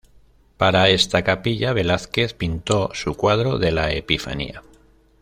Para esta capilla Velázquez pintó su cuadro de la Epifanía.